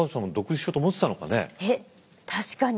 えっ確かに。